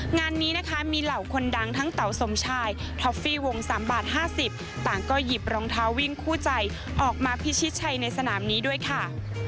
งานนี้นะคะมีเหล่าคนดังทั้งเต๋าสมชายท็อฟฟี่วง๓บาท๕๐ต่างก็หยิบรองเท้าวิ่งคู่ใจออกมาพิชิตชัยในสนามนี้ด้วยค่ะ